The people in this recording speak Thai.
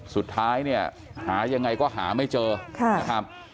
สุดท้ายเนี่ยหายังไงก็หาไม่เจอนะครับ